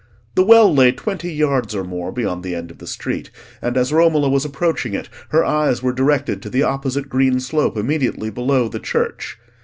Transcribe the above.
The well lay twenty yards or more beyond the end of the street, and as Romola was approaching it her eyes were directed to the opposite green slope immediately below the church.